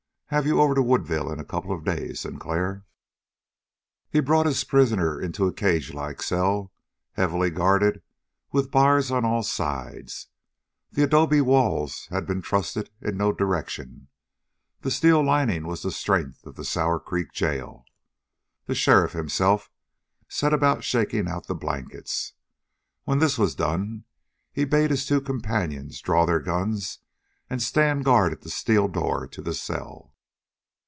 Have you over to Woodville in a couple of days, Sinclair." He brought his prisoner into a cagelike cell, heavily guarded with bars on all sides. The adobe walls had been trusted in no direction. The steel lining was the strength of the Sour Creek jail. The sheriff himself set about shaking out the blankets. When this was done, he bade his two companions draw their guns and stand guard at the steel door to the cell.